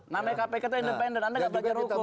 namanya kpk itu independen anda nggak belajar hukum